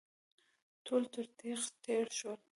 ټول تر تېغ تېر شول.